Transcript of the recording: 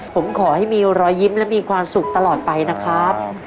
ผมขอให้มีรอยยิ้มและมีความสุขตลอดไปนะครับ